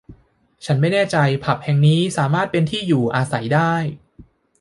ฉันไม่แน่ใจผับนี้สามารถเป็นที่อยู่อาศัยได้